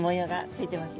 ついてます